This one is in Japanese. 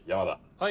はい。